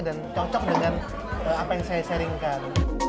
dan cocok dengan apa yang saya sharingkan